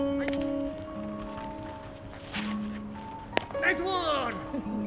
ナイスボール！